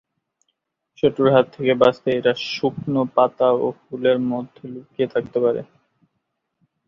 শত্রুর হাত থেকে বাঁচতে এরা শুকনো পাতা ও ফুলের মধ্যে লুকিয়ে থাকতে পারে।